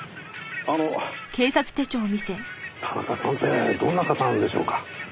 あの田中さんってどんな方なんでしょうか？